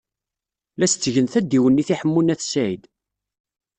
La as-ttgen tadiwennit i Ḥemmu n At Sɛid.